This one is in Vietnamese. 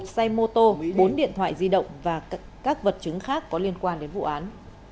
một xe mô tô bốn điện thoại di động và các vật chứng khác có liên quan đến vụ án